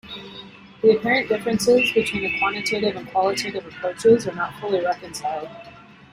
The apparent differences between the quantitative and qualitative approaches are not fully reconciled.